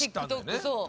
そう。